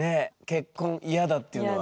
「結婚イヤだ」っていうのは？